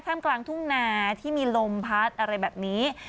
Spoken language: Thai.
กลางทุ่งนาที่มีลมพัดอะไรแบบนี้